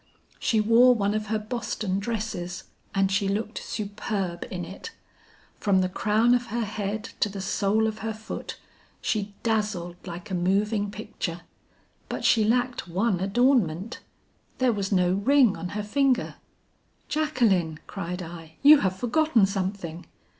She wore one of her Boston dresses and she looked superb in it. From the crown of her head to the sole of her foot, she dazzled like a moving picture; but she lacked one adornment; there was no ring on her finger. 'Jacqueline!' cried I, 'you have forgotten something.'